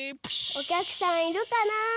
おきゃくさんいるかなあ？